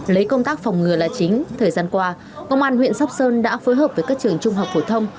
lấy công tác phòng ngừa là chính thời gian qua công an huyện sóc sơn đã phối hợp với các trường trung học phổ thông